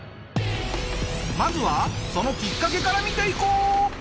まずはそのきっかけから見ていこう。